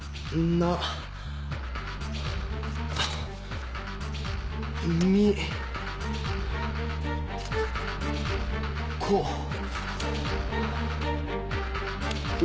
「なみこう」？